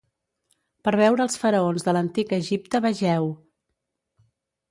Per veure els faraons de l'antic Egipte vegeu: